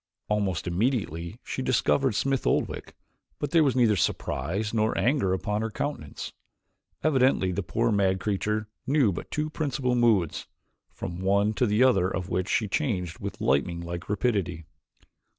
Almost immediately she discovered Smith Oldwick but there was neither surprise nor anger upon her countenance. Evidently the poor mad creature knew but two principal moods, from one to the other of which she changed with lightning like rapidity.